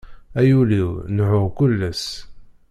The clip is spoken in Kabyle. Ay ul-iw nehhuɣ kul ass.